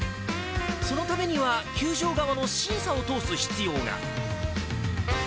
そのためには球場側の審査を通す必要が。